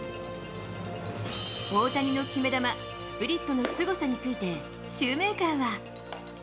大谷の決め球、スプリットのすごさについて、シューメーカーは。